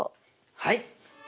はい！